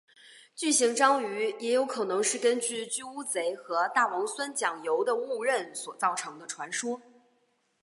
巨型章鱼也有可能是根据巨乌贼和大王酸浆鱿的误认所造成的传说。